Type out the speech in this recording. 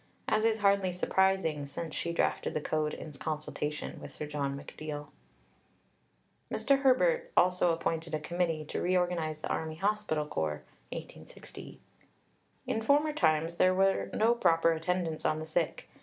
As is hardly surprising, since she drafted the Code in consultation with Sir John McNeill. Mr. Herbert also appointed a Committee to reorganize the Army Hospital Corps (1860). "In former times there were no proper attendants on the sick.